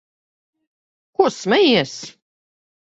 Ko smejies?